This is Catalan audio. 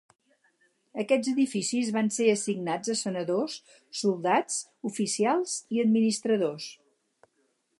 Aquests edificis van ser assignats a sanadors, soldats, oficials i administradors.